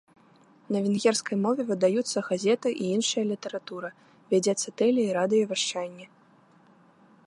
На венгерскай мове выдаюцца газеты і іншая літаратура, вядзецца тэле- і радыёвяшчанне.